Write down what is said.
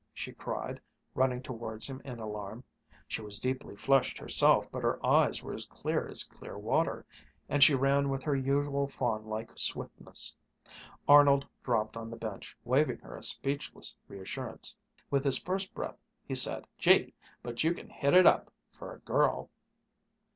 she cried, running towards him in alarm. She was deeply flushed herself, but her eyes were as clear as clear water, and she ran with her usual fawn like swiftness. Arnold dropped on the bench, waving her a speechless reassurance. With his first breath he said, "Gee! but you can hit it up, for a girl!"